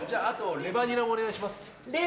レバニラもお願いします。